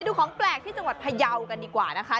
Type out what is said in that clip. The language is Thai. ดูของแปลกที่จังหวัดพยาวกันดีกว่านะคะ